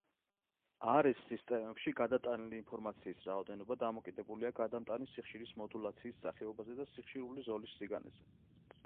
რს სისტემებში გადატანილი ინფორმაციის რაოდენობა დამოკიდებულია გადამტანი სიხშირის მოდულაციის სახეობაზე და სიხშირული ზოლის სიგანეზე.